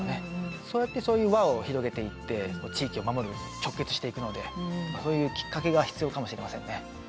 そうやってそういう輪を広げていって地域を守る直結していくのでそういうきっかけが必要かもしれませんね。